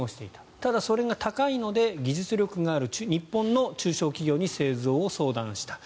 ただ、それが高いので技術力がある日本の中小企業に製造を相談した。